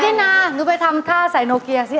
ที่ไหนนู่นไปทำต้าใส่โนเครียซิ